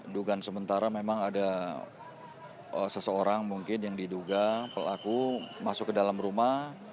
dugaan sementara memang ada seseorang mungkin yang diduga pelaku masuk ke dalam rumah